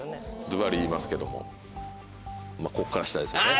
ずばり言いますけどもここから下ですよね。